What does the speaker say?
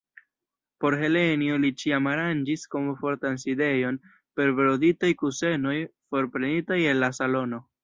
Por Helenjo li ĉiam aranĝis komfortan sidejon per broditaj kusenoj forprenitaj el la salono.